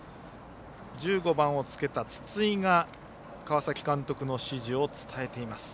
１５番をつけた筒井が川崎監督の指示を伝えています。